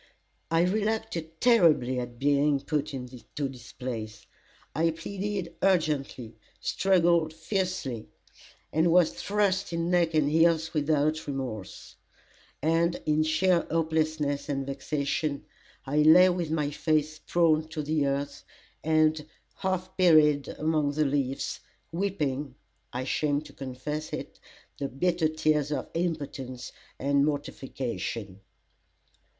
I relucted terribly at being put into this place. I pleaded urgently, struggled fiercely, and was thrust in neck and heels without remorse; and, in sheer hopelessness and vexation, I lay with my face prone to the earth, and half buried among the leaves, weeping, I shame to confess it, the bitter tears of impotence and mortification.